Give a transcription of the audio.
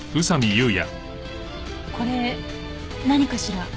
これ何かしら？